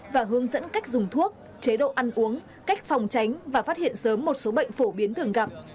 và hướng dẫn cách dùng thuốc chế độ ăn uống cách phòng tránh và phát hiện sớm một số bệnh phổ biến thường gặp